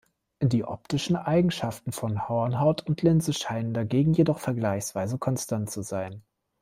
Die optischen Eigenschaften von Hornhaut und Linse scheinen dagegen jedoch vergleichsweise konstant zu sein.